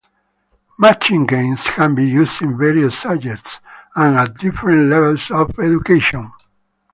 Matching games can be used in various subjects and at different levels of education.